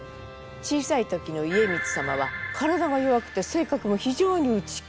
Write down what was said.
小さい時の家光様は体が弱くて性格も非常に内気。